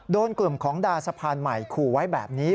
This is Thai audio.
โดนกลุ่มของดาสะพานใหม่ขู่ไว้แบบนี้